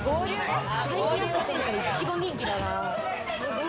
最近会った人の中で一番元気だな。